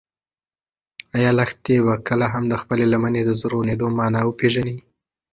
ایا لښتې به کله هم د خپلې لمنې د زرغونېدو مانا وپېژني؟